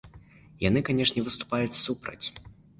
Яны, канешне, выступаюць супраць.